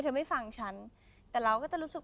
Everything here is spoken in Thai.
เข้าวงการแต่อายุเท่าไรลูก